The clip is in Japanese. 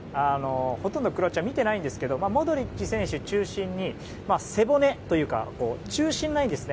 ほとんどクロアチアは見ていないんですけどモドリッチ選手中心に背骨というか中心がないんですね。